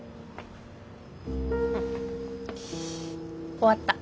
終わった。